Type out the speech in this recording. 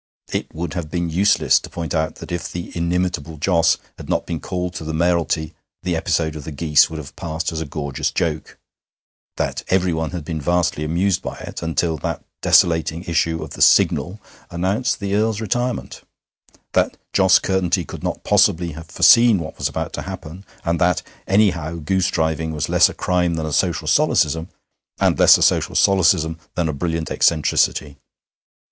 It would have been useless to point out that if the inimitable Jos had not been called to the mayoralty the episode of the geese would have passed as a gorgeous joke; that everyone had been vastly amused by it until that desolating issue of the Signal announced the Earl's retirement; that Jos Curtenty could not possibly have foreseen what was about to happen; and that, anyhow, goosedriving was less a crime than a social solecism, and less a social solecism than a brilliant eccentricity.